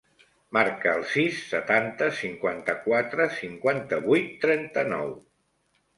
Marca el sis, setanta, cinquanta-quatre, cinquanta-vuit, trenta-nou.